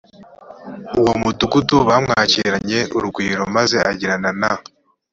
uwo mudugudu bamwakiranye urugwiro maze agirana na